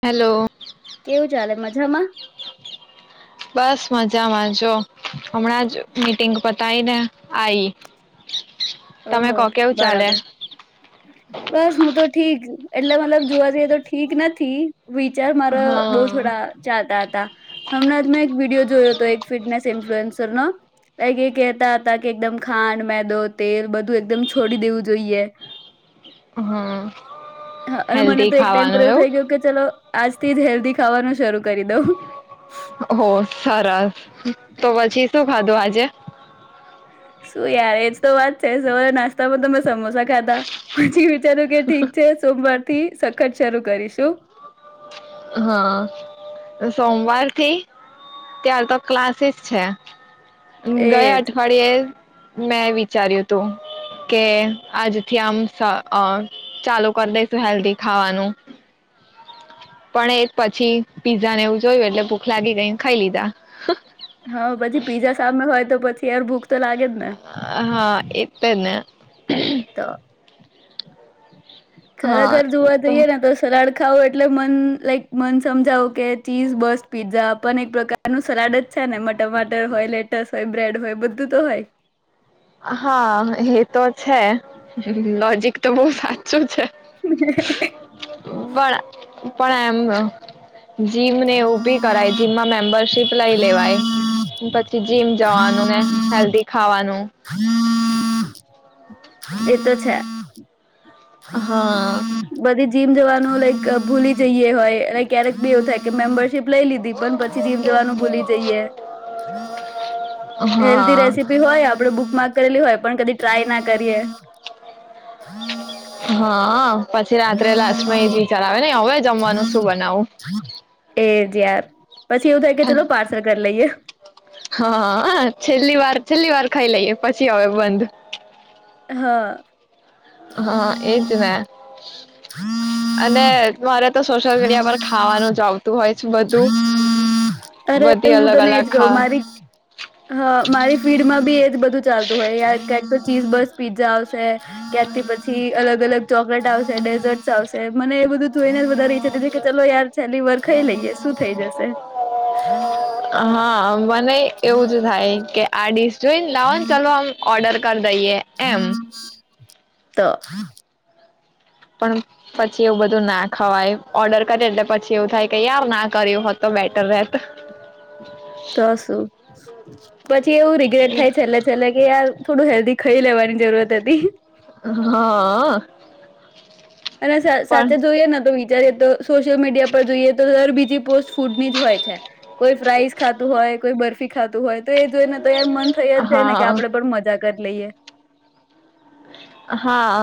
Hello. કેવું ચાલે મજામાં? બસ મજામાં જો હમણાં જ મીટિંગ પતાયને આઈ. ઓહ તમે હો કો કેવું ચાલે બરાબર. બસ હું તો ઠીક એટલે મતલબ જોવા જઈએ તો ઠીક નથી વી ચાર મારા બઉુ હા થોડા ચાલત હતા. હમણાં જ મેં એક વિડીયો જોયો હતો એક ફિટનેસ ઇન્ફલુએન્સર નો. એ કંઈક કહેતા હતા કે એકદમ ખાંડ મેદો તેલ બધું એકદમ છોડી દેવું જોઈએ. હા. હા અને મને તો એક ટાઈમ પર એવું થઇ ગયું કે ચલો આજથી જ હેલ્ધી ખાવાનું શરૂ કરી દઉં. હો સારા. તો પછી શું ખાધું આજે? શું યાર એજ તો વાત છે સવારે નાસ્તામાં તમે સમોસા ખાધા પછી વિચાર્યું કે ઠીક છે, સોમવાર થી સખત શરૂ કરીશું. અહ સોમવાર થી, ત્યાર તો ક્લાસીસ છે. અમ્મ ગયા એજ અઠવાડિયે મેં વિચાર્યું તુ, કે આજથી આમ ચાલુ કરી દઈશુ હેલ્ધી ખાવાનું. પણ એ જ પછી પીઝા ને એવુ જોયુ, એટલે ભૂખ લાગી ગઈને, ખાઈ લીધા. હા, પછી પીઝા સામે હોય તો પછી [unintelligible] ને હા, એ તને ખરા ઘર જોવા જઈએ, ને તો સારા ખાવુ એટલે મન લાઈક મન સમજાવું કે ચીઝ બસ પીઝ્ઝા પણ એક પ્રકાર ન સલાડ જ છે, ને ટમાટર હોય, લેટસ હોય બ્રેડ હોય, બધું તો હોય હા એ તો છે લોજિક તો બોહુ સાચુ છે પણ [unintelligible] પણ એમ જીમને, ઉભી કરાઈ જીમમા મેમ્બરશીપ લઈ લેવાય, પછી જીમ જવાનું ને હેલ્ધી ખાવાનું એત છે હા બધી જીમ જવાનુ, લાઈક ભૂલી જઈએ હોય ક્યારેક ભી એવું થાય કે મે્બર લઈ લીધી પછીમ જવાનું ભૂલી જઈએ હા હેલ્ધ રેસીપી હોય, આપડ બુક કરેલી હોય પણ કદી ટ્રાય ના કરીએ. હા. પછી રાત્રે લાસ્ટમાં એ જ વિચાર આવે ને હવે જમવાનું શું બનાવું? એજ યાર. પછી એવું થાય કે ચલો પાર્સલ કરી લઈએ. હા, છેલ્લી વાર છેલ્લી વાર ખાઈ લઈએ પછી અવે બંધ. હા. હા એજ ને. અને મારે ત સોશિયલ મીડિયા પર ખાવાનું જ આવતું હોય છે બધું અરે બધી હું અલગ તને એજ અલગ કવ મારી ખા હા મારી ફીડમાં ભી એજ બધું ચાલતું હોય ય કક તો ચીઝ બસ પીઝા છે ત્યાંથી પછી અલગ અલગ ચોકલેટ આવશે ડેઝર્ટ આવશે મને એ બધું જોઈને [unintelligible] ચલો યાર છેલ્લી વાર ખઈ લઈએે. હા મને એવું જ થાય કે આડી જોઈ તો લાવન શું ચાલો હમ ઓર્ડર કર દઈએ એમ તો પણ પછી એવું બધું ના ખવાય ઓર્ડર કરે એટલે પછી એવું થાય કે યાર ના કર્યું હો તો બેટર રહેત તો શું. પછી એવું રિગ્રેટ થાય છેલ્લે છેલ્લે કે યાર થોડું હેલ્ધી ખાઈ લેવાની જરૂરત હતી હા અ અ અને સા સાથે જોઈએને દૂઈ જયારે તો સોશિયલ મીડિયા પર જોઈએ તો દર બીજી પોસ્ટ ફૂડ ની જ હોય છે. કોઈ ફ્રાઈસ ખાતું હોય, કોઈ બર્ફ શીખાતું હોય તો એ જોઈ ને તો યાર મન થઈ જાય ને, કે હા આપણેે પણ મજા કરી લઈએ હા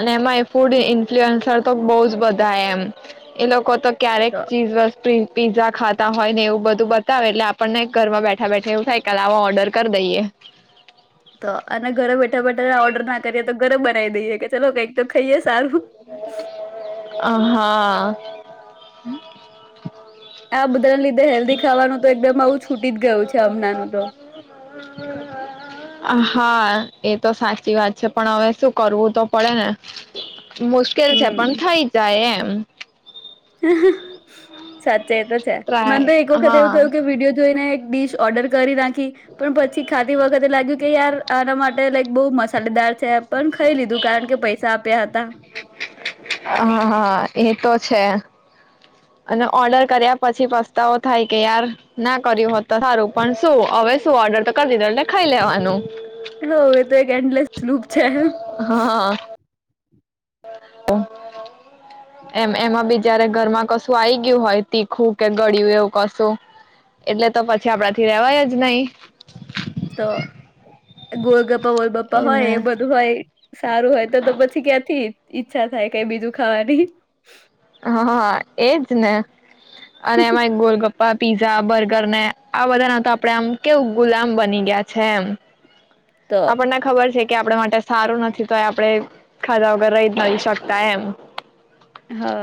અને એમાં એ ફૂડ ઇન્ફ્લુઅન્સર તો બહુ જ બધા એમ. એ લોકો તો ક્યારેક ચીઝ સ્પિ પીઝા ખાતા હોય ને એવું બધું બતાવે, એટલે આપણને ઘરમાં બેઠા બેઠા એવું થાય કે લાવો ઓર્ડર કરી દઈએ. તો અને ઘરે બેઠા બેઠા ઓર્ડર ના કરીએ તો, ઘરે બનાવી દઈએે. કે ચલો કઈક અ હા આ બધાને લીધે હેલ્ધી ખાવાનું તો એકદમ આવું છૂટી જ ગયું છે હમણાંનું તો. હા એ તો સાચી વાત છે. પણ હવે શું કરવું તો પડે ને. મુશ્કેલ છે. પણ થઈ જાય એમ. અ કચ હી હી સાચે એ તો છે. મને ટ્રાય તો એક વખત હા એવું થયું કે વિડીયો જોઈને ડિશ ઓર્ડર કરી ના ખી પણ પછી ખા તી વખતે લાગ્યું કે યાર આના માટે લાઈક બહુ મસાલેદાર છે. પણ ખાઈ લીધું, કારણ કે પૈસા આપ્યા હતા. હા હા એતો છે. અને ઓર્ડર કર્યા પછી પસ્તાવો થાય કે યાર ના કર્યું હો તો સારું પણ શું, હવે શું, ઓર્ડર તો કરી દીધો એટલે ખાઈ લેવાનું. હ એવ તો એક એન્ડલેસ લુક છે. હા એમ એમાં બીચારે ઘરમાં કશું આ ગયું હોય. તીખું કે, ગળિયું એવું કશું. એટલે તો પછી આપડાથી રેવાય જ નય તો ગોલગપ્પા વોલગપ્પા હોય, એને એ બધું હોય સારું હોય તો તો પછી ક્યાંથી ઈચ્છા થાય કઈ બીજું ખાવાની. હા, હા, એજને અને એમાં એ ગોલગપ્પા પીઝા, બર્ગર ને આ બધા ના તો આપડે આમ કેવું, ગુલામ બની ગયા છે, એમ. તો આપણને ખબર છે. કે આપડા માટે સારું નથી, તો એ આપડે ખાધા વગર રહીજ નથી શકતા, એમ. હા,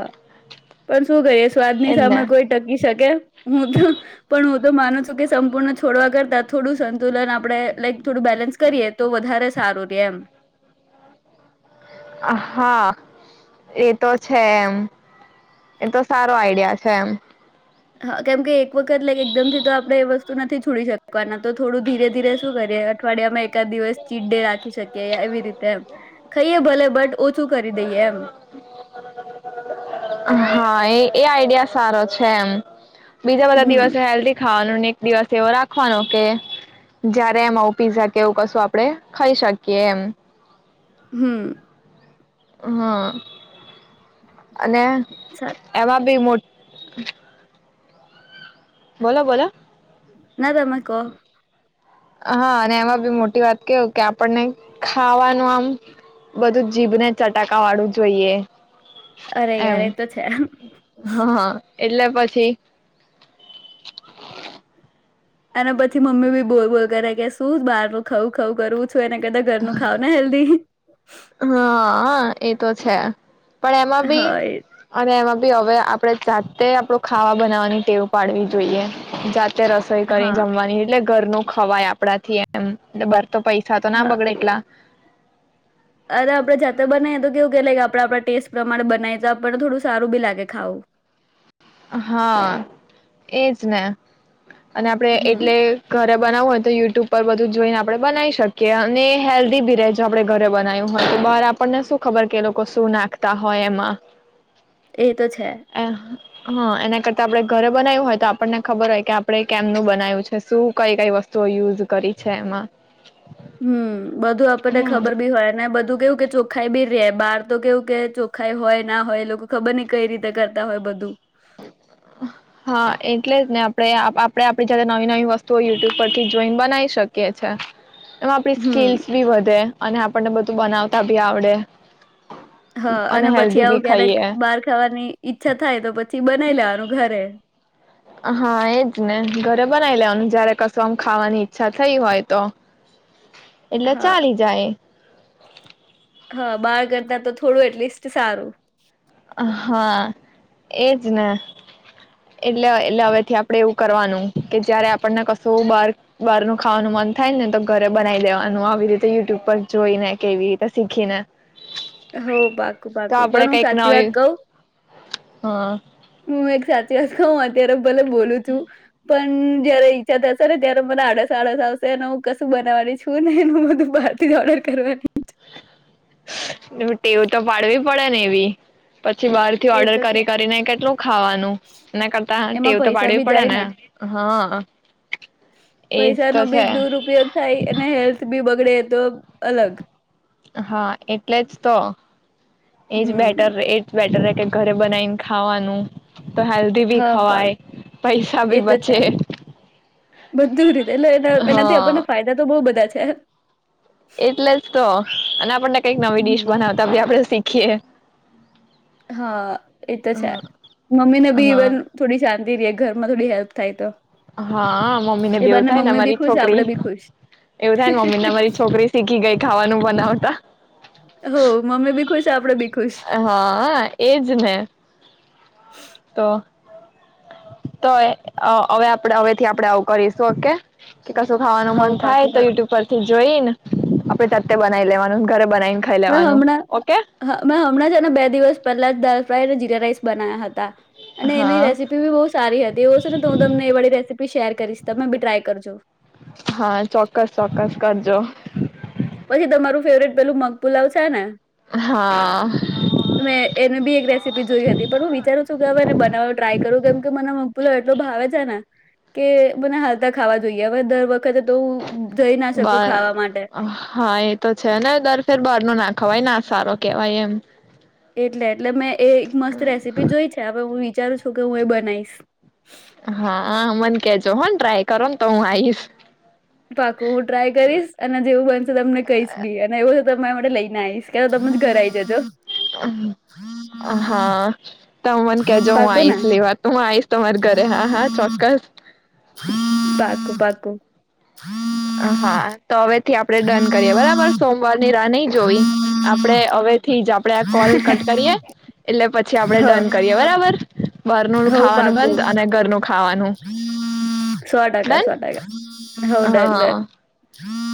પણ શું કરીએ સ્વાદ ની એજ સામે ને કોઈ ટકી શકે? હું તો પણ હું તો માનું છું કે સંપૂર્ણ છોડવા કરતા, થોડું સંતુલન આપડે લાઈક થોડું બેલેન્સ કરીએ, તો વધારે સારું રે એમ હા, એતો છે, એમ. એતો સારો આઈડિયા છે, એમ. હા, કેમકે એક વખત લક એકદમ થી તો આપડે એ વસ્તુ નથી છોડી શકવાના, તો થોડું ધીરે ધીરે શું કરીએ, અઠવાડિયા માં એકાદ દિવસ ચીટ ડે રાખી શકીએ, એવી રીતે એમ. ખાઈએ ભલે બટ ઓછું કરી દઈએ એમ હા એ એ આઈડિયા સારો છે, એમ. બીજા બધા હમ દિવસે હેલ્ધી ખાવાનું ને એક દિવસ એવો રાખવાનો કે જયારે એમ આવું પીઝા કે એવું કશું આપડે ખાઈ શકીએ એમ હમ હા અને સા એમાં બી મોટી બોલો બોલો ના તમે કો હા અને એમાં બી મોટી વાત કેવું કે આપણને ખાવાનું આમ બધું જીભને ચટાકા વાળું જોઈએ અરે એમ યાર એ તો છે હા હ એટલે પછી અને પછી મમ્મી બી બોલ બોલ કરે કે શું બહાર ન ખવું ખઉું કરવું છો એના કરતા ઘરનું ખાાવ ને હેલ્ધી હા એતો છે પણ એમાં બી હા એ અને એમાં હવે આપડણે જાતે આપડુ ખાવાનુ બનાવવાની ટેવ પાડવી જોઈએ જાતે રસોઈ કરી હા જમવાની એટલે ઘરનું ખવાય આપણા થી એમ તો પૈસા તો ના હા બગડે એટલા. અરે આપણે જાતે બનાવીએ તો કેવું કેલા કે આપણે આપણા ટેસ્ટ પ્રમાણે બનાવી તો આપણને થોડું સારું બી લાગે ખાવું. હા એજ ને. અને આપડે હમ એટલે ઘરે બનાવું હોય તો યુટ્યુબ ઉપર બધું જોઈને આપડણે બનાવી શકીએ અને હેલ્ધી ભી રજ આપણે ઘરે બનાવ્યું હોય તો બહાર આપણને શું ખબર કે એ લોકો શું નાખતા હોય એમાં. એ તો છે. હા એના કરતા આપણે ઘરે બનાવ્યું હોય તો આપણને ખબર હોય કે આપણે કેમનું બનાવ્યું છે, શું કઈ કઈ વસ્તુઓ યુઝ કરી છે એમાં. હમ્મ, બધું આપણને હા ખબર બી હોય ને બધું કે કે ચોખાઈ બી રે બહાર તો કેવું કે ચોખાઈ હોય ના હોય લોકો ખબર નઈ કઈ રીતે કરતા હોય બધું. હા એટલે જ ને આપણે આપણેે આપડી જા નવી નવી વસ્તુઓ યુટ્યુબ પરથી જોઈને બનાવી શકીએ છે. એમાં આપડી હમ સ્કીલ્સ બી વધે અને આપણને બધ તું બનાવતા ભી આવડે. હા અને પછી હેલ્ધી બી આવું ક્યારેક ખાઈએ બહાર ખાવાની ઈચ્છ થાય તો પછ હા એજ ને ઘરે બનાય લેવ જયારે કશું આમ ખાવાની ઈચ્છા થઈ હોય તો. એટલે હા ચાલી જાય. હા બાર કરતા તો થોડું એટલીસ્ટ સારું. હા, એજ ને એટલે એટલે હવે થી આપડે એવું કરવાનું કે જયારે આપણને કશું બાર બહાર ન ખાવાનું મન થાય ને તો ઘરે બનાવી દેવાનું આવી રીતે યુટ્યુબ પર જોઈને કે એવી રીતે શીખીને. હો બાકું તો બાકું આપડે બન કર કઈક સાચી વાત નવી કવ? હા. હું એક સાચી વાત કઉ અત્યારે? ભલે બોલું છું પણ જયારે ઈજ્છા થશે ને ત્યારે મને આળસ આળસ આવશે અને હું કશું બનાવાની છું ને બધું બહાર થી જ ઓર્ડર કરવાની. ટેવું તો પાડવી પડે ને એવી. પછી બહાર થી એ ઓર્ડર તો છે કરી કરીને કેટલું ખાવાનું એના કરતા ટેવ એમાં તો પૈસા પાડવી બી પડે જાય ને. હા, એજ પૈસા તો નો બી છે. દુરપયોગ થાય અને હેલ્થ બી બગડે એ તો અલગ. હા એટલે જ તો એજ હમ બેટર રે એટરરે. કે ઘરે બનાવીને ખાવાનું. તો હેલ્ધી બી હા પાલ, ખવાય પૈસા એ બી તો છે. બચે બધું રીતે એટલે એનાથી હા આપણને ફાયદા તો બહુ બધા છે. એટલે જ તો અને આપણને કઈક નવી હમ ડીશ બનાવતા બી આપડે શીખ ખે. હા એ તો છે મમ્મીને બી ઇવન હા થોડી ધીરે ઘરમાં થોડી હેલ્પ થાય તો હા મમ્મી ને એ બેવું બાને થાય ને મમ્મી બી અમારી ખુશ આપડે છોકરી બી ખુશ એવું થાયને મમ્મી ને અમારી છોકરી શીખી ગઈ ખાવાનું બનાવતા હો મમ્મી બી ખુશ આપણે બી ખુશ હાય હા એજ ને. તો તોય હવે આપ હવેથી આપડે આવું કરીશું ઓકે. કે કશું ખાવાનું હવ મન પાકું થાય તો પાકું યુટ્યુબ પરથી જોઈ ને આપણે જાતે બનાઈ લેવાનુ ઘરે બનાને. મે હમણાં હ મેં હમણાં જ એના બે દિવસ પહેલા જ દ ફાયને જીરા રાઇસ બનાવ હતા. અને એની હા રેસીપી બી બહુ સારી હતી એવ છે ને તો હું તમને એ વાળી રેસીપી શેર કરીશ તમે બી ટ્રાય કરજો હા ચોક્કસ ચોક્કસ કરજો. પછી તમારું ફેવરેટ પેલું મગપુલાવ છે ને હા મેં એને બી એક રેસીપી જોઈ હતી પણ હું વિચારું છું કે હવેને બનાવા ટ્રાય કરું કેમ કે મને મમ્પુલો એટલો ભાવે છે ને કે મને હાલતા ખાવા જોઈએ હવે દર વખત વખતે તો હું જઈ ના શકું બા ખાવા માટે. હા એ તો છે ને દર ફેર બાર નો ના ખવાય ના સારો કેહેવાય એમ. એટલે એટલે મેં એ એક મસ્ત રેસીપી જોઈ છે હવે હું એ વિચારું છું કે હું એ બનાવીશ. હા હા મને કેજો હો ને ટ્રાય કરો ને તો હું આવીશ. પાકુ હું ટ્રાય કરીશ અને જેવું બનશે તમને કહીશ બી અને એવું તમારા માટે લઈને આઈશ. કે તમે જ ઘર આઈ જજો. તમ મને કેજો હું પાકું ને આઈશ લેવા હું આઈશ તમારી ઘરે હા હા ચોક્કસ. પાકું પાકું. હા. તો હવે થી આપડણે ડન કરીએ બરાબર સોમવાર ની રાહ નહી જોવી આપડે હવે થી જ આપ આપણેે કોલ કટ કરીએ એટલે પછી આપડે હ ડન કરીએ બરાબર? બારનું ખાવાનું બંધ અને ઘરનું ખા શો ટકા ડન શો ટકા. હા [unintelligible]